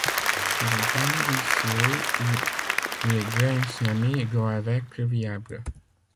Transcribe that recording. Les graines du sol ou les graines semées doivent être viables.